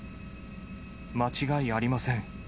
間違いありません。